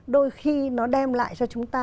đôi khi nó đem lại cho chúng ta